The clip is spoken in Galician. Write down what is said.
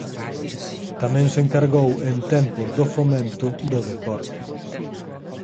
Tamén se encargou en tempos do fomento do deporte.